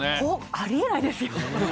あり得ないですよ。